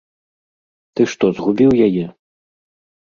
Ты што, згубіў яе?